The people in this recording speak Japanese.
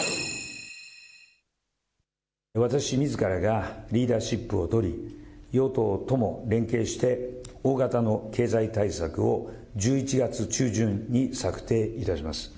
私みずからがリーダーシップを取り、与党とも連携して、大型の経済対策を１１月中旬に策定いたします。